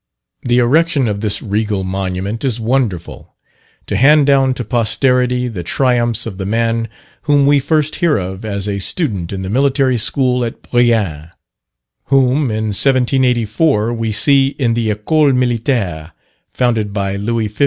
The erection of this regal monument is wonderful, to hand down to posterity the triumphs of the man whom we first hear of as a student in the military school at Brienne, whom in 1784 we see in the Ecole Militaire, founded by Louis XV.